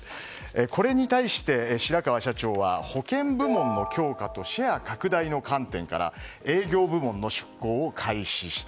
これに対して白川社長は保険部門の強化とシェア拡大の観点から営業部門の出向を開始した。